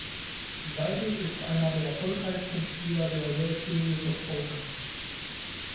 Seidel ist einer der erfolgreichsten Spieler der "World Series of Poker".